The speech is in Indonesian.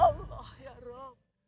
ya allah ya rabb